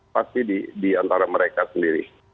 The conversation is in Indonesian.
pasti di antara mereka sendiri